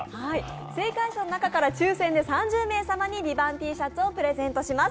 正解者の中から抽選で３０名様に「ＶＩＶＡＮＴ」Ｔシャツをプレゼントします。